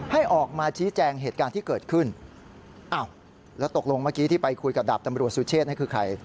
ให้ออกมาชี้แจงเหตุการณ์ที่เกิดขึ้นอ้าวแล้วตกลงเมื่อกี้ที่ไปคุยกับดาบตำรวจสุเชษนี่คือใคร